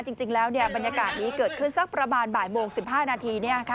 จริงแล้วบรรยากาศนี้เกิดขึ้นสักประมาณบ่ายโมง๑๕นาที